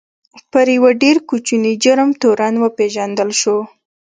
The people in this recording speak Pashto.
پر یوه ډېر کوچني جرم تورن وپېژندل شو.